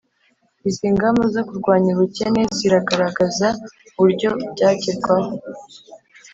izi ngamba zo kurwanya ubukene ziragaragaza uburyo byagerwaho.